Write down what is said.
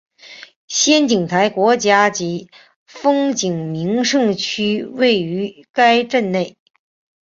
仙景台国家级风景名胜区位于该镇内。